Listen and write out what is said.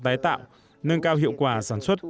tái tạo nâng cao hiệu quả sản xuất